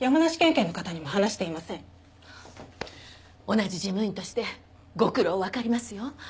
同じ事務員としてご苦労わかりますよ！